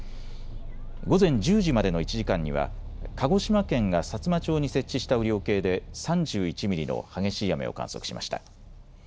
午前１０時までの１時間には鹿児島県がさつま町に設置した雨量計で３１ミリの激しい雨を観測しました。